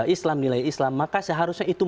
islam nilai islam maka seharusnya itu